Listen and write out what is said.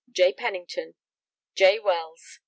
J. PENNINGTON. J. WELLS.